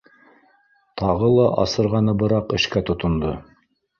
Тағы ла асырғаныбыраҡ эшкә тотондо